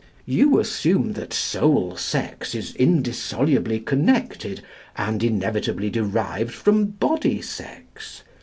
You assume that soul sex is indissolubly connected and inevitably derived from body sex.